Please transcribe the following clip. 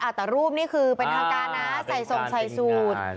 แต่รูปนี่คือเป็นทางการนะใส่ส่งใส่สูตร